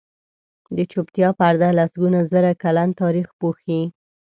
د چوپتیا پرده لسګونه زره کلن تاریخ پوښي.